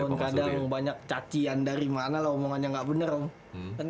kalau pun kadang banyak cacian dari mana loh omongannya nggak bener loh